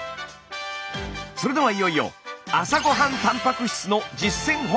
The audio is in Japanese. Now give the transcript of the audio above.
それではいよいよ朝ごはんたんぱく質の実践法！